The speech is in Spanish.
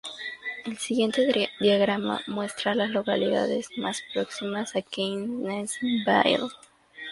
El siguiente diagrama muestra a las localidades más próximas a Gainesville.